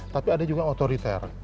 tapi ada juga otoriter